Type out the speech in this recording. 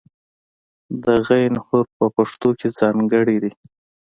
د "غ" حرف په پښتو کې ځانګړی دی.